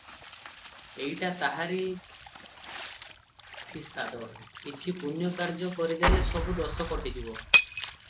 ଏଇଟା ତାହାରି ଫିସାଦ, କିଛି ପୁଣ୍ୟ କାର୍ଯ୍ୟ କରିଦେଲେ ସବୁ ଦୋଷ କଟିଯିବ ।